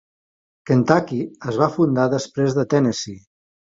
Kentucky es va fundar després de Tennessee.